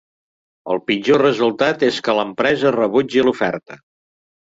El pitjor resultat és que l'empresa rebutgi l'oferta.